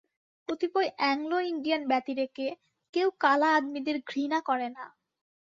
কতিপয় এ্যাংলো-ইণ্ডিয়ান ব্যতিরেকে কেউ কালা আদমীদের ঘৃণা করে না।